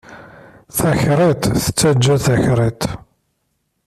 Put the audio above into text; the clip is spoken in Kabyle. Takriḍt tettaǧǧa-d takriḍt.